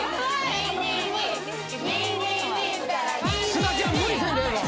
すがちゃん無理せんでええぞ。